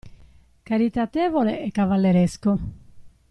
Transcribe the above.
Caritatevole e cavalleresco.